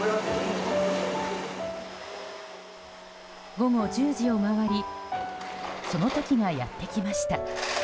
午後１０時を回りその時がやってきました。